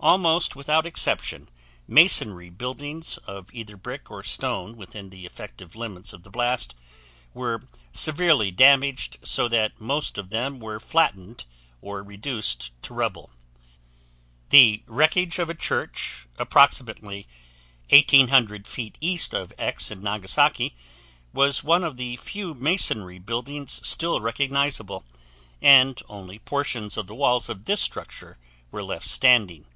Almost without exception masonry buildings of either brick or stone within the effective limits of the blast were severely damaged so that most of them were flattened or reduced to rubble. The wreckage of a church, approximately 1,800 feet east of X in Nagasaki, was one of the few masonry buildings still recognizable and only portions of the walls of this structure were left standing.